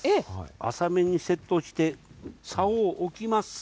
浅めにセットして、さおを置きます。